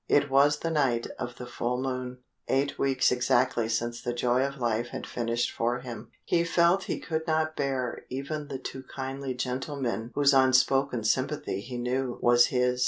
It was the night of the full moon eight weeks exactly since the joy of life had finished for him. He felt he could not bear even the two kindly gentlemen whose unspoken sympathy he knew was his.